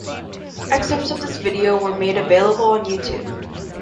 Excerpts of this video were made available on YouTube.